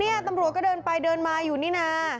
นี่ตำรวจก็เดินไปเดินมาอยู่นี่นะ